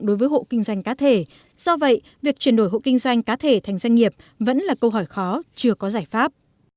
đối với hộ kinh doanh cá thể do vậy việc chuyển đổi hộ kinh doanh cá thể thành doanh nghiệp vẫn là câu hỏi khó chưa có giải pháp